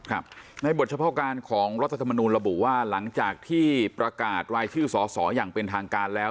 ครับในบทเฉพาะการของรัฐธรรมนูลระบุว่าหลังจากที่ประกาศรายชื่อสอสออย่างเป็นทางการแล้ว